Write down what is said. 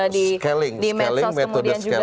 di medsos kemudian juga